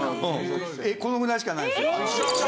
絵このぐらいしかないんですよ。